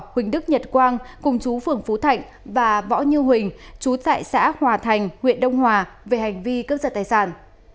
huỳnh đức nhật quang cùng chú phường phú thạnh và võ như huỳnh chú tại xã hòa thành huyện đông hòa về hành vi cướp giật tài sản